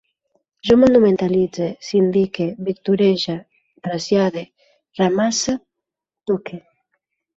Jo monumentalitze, sindique, victorege, trasllade, ramasse, toque